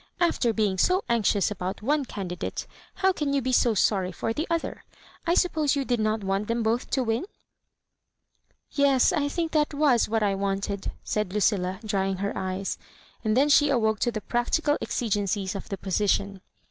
" After being so anxious about one candidate, how can you be so sorry for the o'ther? I suppose you did not want them bo^ to win?" "Yes, I think that was what I wanted," said Lucilla, drying her eyes; and then she awoke to the practical exigencies of the position.